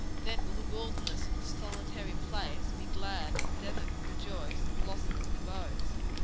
Then will the wilderness and the solitary place be glad, and the desert rejoice and blossom as the rose.